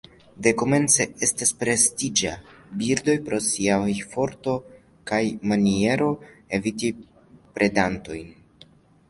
Dekomence estas prestiĝa birdoj pro siaj forto kaj maniero eviti predantojn.